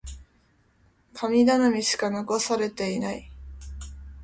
神頼みしか残されていない。